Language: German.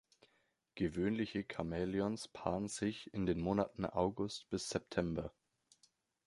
Gewöhnliche Chamäleons paaren sich in den Monaten August bis September.